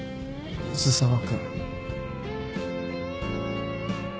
水沢君。